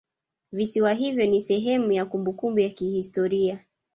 Visiwa hivyo ni sehemu ya kumbukumbu ya kihistoria